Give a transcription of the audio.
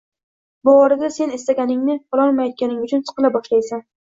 Bu orada sen istaganingni ololmayotganing uchun siqila boshlaysan